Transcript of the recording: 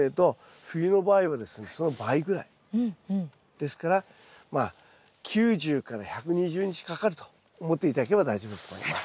ですからまあ９０１２０日かかると思って頂ければ大丈夫だと思います。